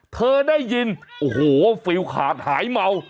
เธอได้ยินโอ้โหฟิลขาดหายเมา